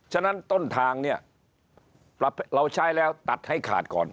ฉะนั้นต้นทางเนี่ยเราใช้แล้วตัดให้ขาดก่อน